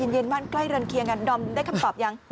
เย็นว่างใกล้เรือนเคียงกันโดมได้คำตอบหรือยัง